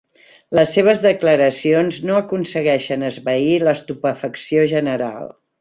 Les seves declaracions no aconsegueixen esvair l'estupefacció general.